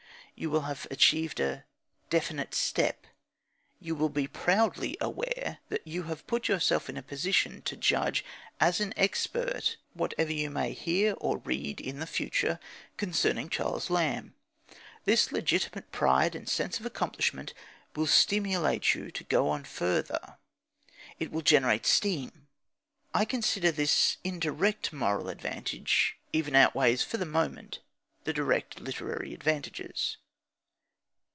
You will have achieved a definite step; you will be proudly aware that you have put yourself in a position to judge as an expert whatever you may hear or read in the future concerning Charles Lamb. This legitimate pride and sense of accomplishment will stimulate you to go on further; it will generate steam. I consider that this indirect moral advantage even outweighs, for the moment, the direct literary advantages.